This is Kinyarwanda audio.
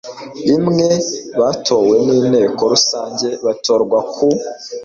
imwe batowe n inteko rusange batorwa ku